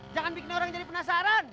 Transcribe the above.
jangan bikin orang jadi penasaran